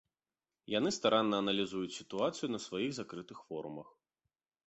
Яны старанна аналізуюць сітуацыю на сваіх закрытых форумах.